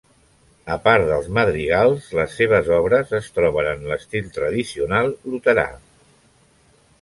A part dels Madrigals les seves obres es troben en l'estil tradicional luterà.